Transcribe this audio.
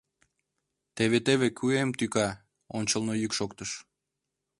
Теве-теве куэм тӱка! — ончылно йӱк шоктыш.